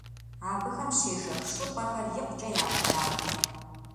Абыхэм щежэх щӀыпӀэхэр икъукӀэ ягъэдахэ.